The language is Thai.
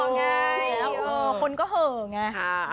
ชินแล้วหล่อไงคนก็เหอะไง